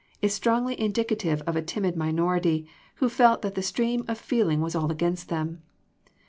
is strongly indicative of a timid minority, who felt that the stream of feel ing was all against them.